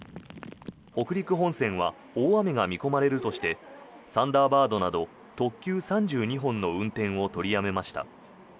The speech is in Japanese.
北陸本線は大雨が見込まれるとしてサンダーバードなど特急３２本の運転を取りやめました。